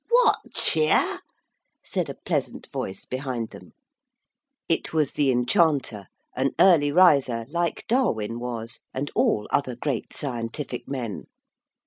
'What cheer?' said a pleasant voice behind them. It was the Enchanter, an early riser, like Darwin was, and all other great scientific men.